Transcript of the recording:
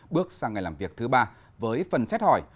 bước sang ngày làm việc thứ ba với phần xét hỏi